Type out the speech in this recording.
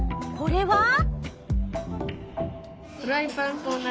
これは？